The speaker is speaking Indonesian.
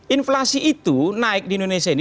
inflasi itu naik di indonesia ini